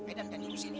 ayo dandangin lu disini